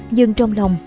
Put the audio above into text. nhưng trong lòng